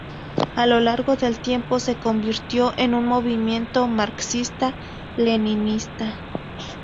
A lo largo del tiempo se convirtió en un movimiento marxista-leninista.